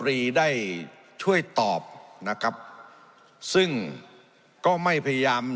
แล้วก็ไม่พยายาม